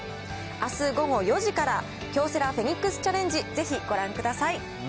あす午後４時から、京セラフェニックスチャレンジ、ぜひご覧ください。